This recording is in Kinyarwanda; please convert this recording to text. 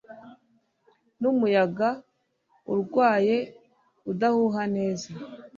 Numuyaga urwaye udahuha neza.